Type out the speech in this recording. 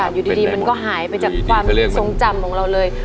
อยู่ดีมันก็หายไปจากความทรงจำของเราเลย